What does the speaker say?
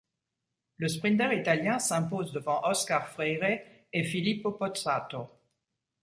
Le sprinter italien s'impose devant Óscar Freire et Filippo Pozzato.